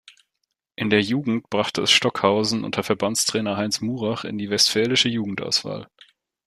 In der Jugend brachte es Stockhausen unter Verbandstrainer Heinz Murach in die westfälische Jugendauswahl.